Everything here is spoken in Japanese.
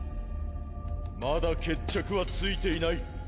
まだ決着はついていない。